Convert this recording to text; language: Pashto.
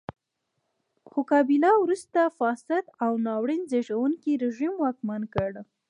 خو کابیلا وروسته فاسد او ناورین زېږوونکی رژیم واکمن کړ.